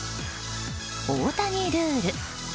大谷ルール。